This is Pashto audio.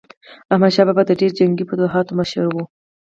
احمدشاه بابا د ډیرو جنګي فتوحاتو مشر و.